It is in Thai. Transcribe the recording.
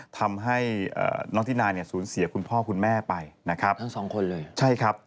ทำให้น้องที่นายเนี่ยสูญเสียคุณพ่อคุณแม่ไปนะครับทั้งสองคนเลยใช่ครับ